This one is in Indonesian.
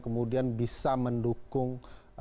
kemudian bisa mendukung